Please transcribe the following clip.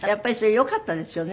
よかったですね。